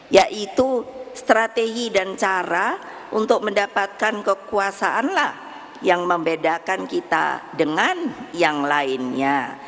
yaitu strategi dan cara untuk mendapatkan kekuasaanlah yang membedakan kita dengan yang lainnya